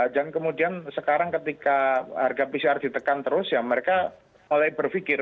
dan kemudian sekarang ketika harga pcr ditekan terus ya mereka mulai berpikir